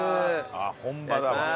ああ本場だわ。